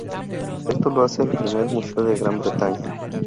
Esto lo hace el primer museo en Gran Bretaña.